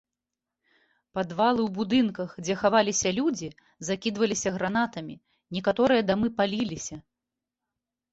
Падвалы ў будынках, дзе хаваліся людзі закідваліся гранатамі, некаторыя дамы паліліся.